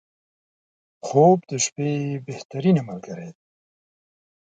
• خوب د شپې بهترینه ملګری دی.